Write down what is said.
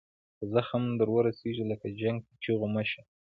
که زخم در ورسیږي لکه چنګ په چیغو مه شه.